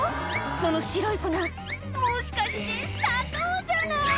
その白い粉もしかして砂糖じゃない！